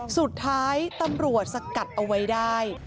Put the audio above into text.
สุดท้ายตำรวจสกัดเอาไว้ได้